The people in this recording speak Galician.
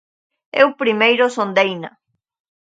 Eu primeiro sondeina.